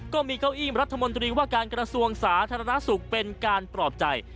ก็มีเก้าอี้รัฐมนตรีว่าการกระทรวงสาธารณสุขเป็นการปลอบใจ